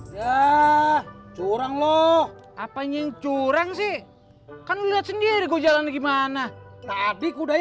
ya curang lo apanya yang curang sih kan lihat sendiri gue jalan gimana tapi kudanya